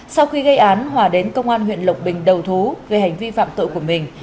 sau khi gây án hòa đến công an huyện lộc bình đầu thú về hành vi phạm tội của mình